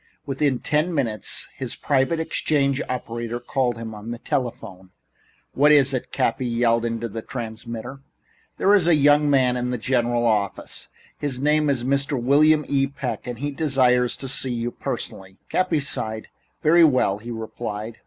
Within ten minutes his private exchange operator called him to the telephone. "What is it?" Cappy yelled into the transmitter. "There is a young man in the general office. His name is Mr. William E. Peck and he desires to see you personally." Cappy sighed. "Very well," he replied.